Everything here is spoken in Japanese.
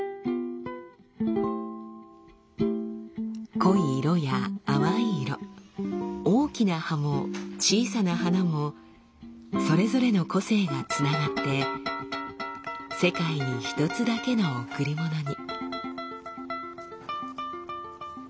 濃い色や淡い色大きな葉も小さな花もそれぞれの個性がつながって世界に一つだけの贈り物に。